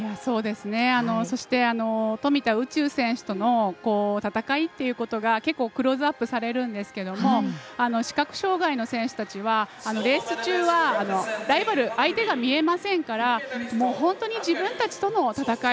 そして、富田宇宙選手との戦いということが結構、クローズアップされるんですけど視覚障がいの選手たちはレース中は、ライバル相手が見えませんから本当に自分たちとの戦い